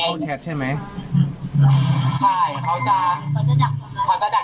เขาด่าเหมือนทำลองแบบว่าพวกหนูสายเหลือง